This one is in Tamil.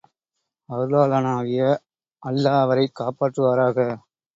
அருளாளனாகிய அல்லா அவரைக் காப்பாற்றுவாராக.